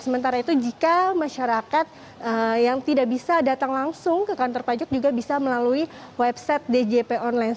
sementara itu jika masyarakat yang tidak bisa datang langsung ke kantor pajak juga bisa melalui website djp online